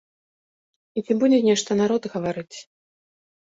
І ці будзе нешта народ гаварыць?